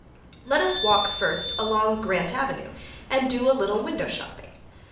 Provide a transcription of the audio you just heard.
Let us walk first along Grant avenue and do a little window shopping.